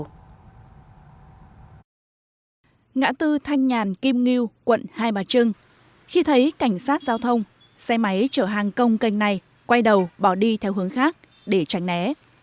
ngã tư thanh nhàn kim ngưu quận hai bà trưng khi thấy cảnh sát giao thông xe máy chở hàng công canh này quay đầu bỏ đi theo hướng khác để tránh né